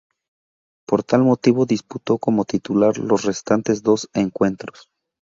Por tal motivo disputó como titular los restantes dos encuentros.